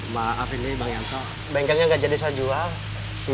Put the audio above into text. maafin nih bang yanto bengkelnya gak jadi saya jual